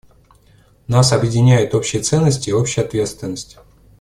Нас объединяют общие ценности и общая ответственность.